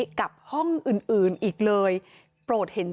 เจ้าของห้องเช่าโพสต์คลิปนี้